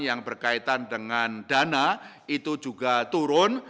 yang berkaitan dengan dana itu juga turun